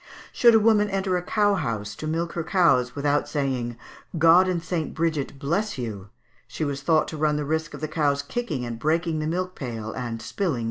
Should a woman enter a cow house to milk her cows without saying "God and St. Bridget bless you!" she was thought to run the risk of the cows kicking and breaking the milk pail and spilling the milk.